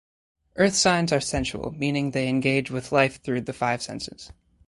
Earth signs are sensual, meaning they engage with life through the five senses.